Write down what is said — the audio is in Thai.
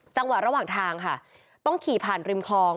ระหว่างทางค่ะต้องขี่ผ่านริมคลอง